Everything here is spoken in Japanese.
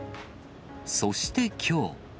そしてきょう。